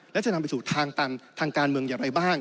และจะนำไปสู่ทางตันทางการเมืองอย่างไรบ้าง